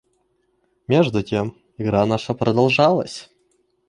Между тем игра наша продолжалась.